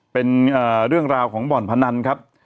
เป็นเรื่องราวของบ่อนพนันครับ